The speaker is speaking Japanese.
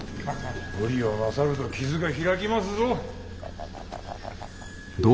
無理をなさると傷が開きますぞ。